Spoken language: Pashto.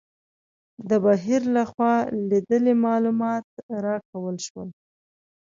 د بهیر لخوا لیدلي معلومات راکول شول.